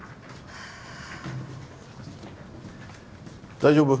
大丈夫？